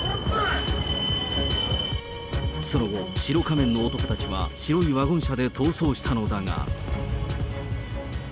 その後、白仮面の男たちは白いワゴン車で逃走したのだが。